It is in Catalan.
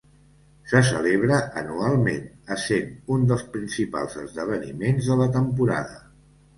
Se celebra anualment, essent un dels principals esdeveniments de la temporada.